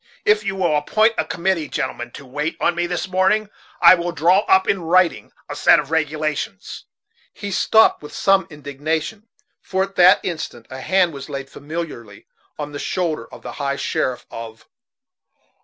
If you will appoint a committee, gentlemen, to wait on me this morning, I will draw up in writing a set of regulations ' He stopped, with some indignation, for at that instant a hand was laid familiarly on the shoulder of the High Sheriff of